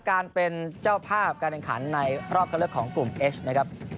การเป็นเจ้าภาพการแข่งขันในรอบเข้าเลือกของกลุ่มเอชนะครับ